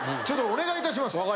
ちょっとお願いいたします。